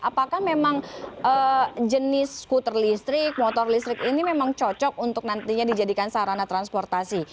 apakah memang jenis skuter listrik motor listrik ini memang cocok untuk nantinya dijadikan sarana transportasi